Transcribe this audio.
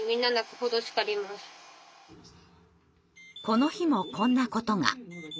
この日もこんなことが。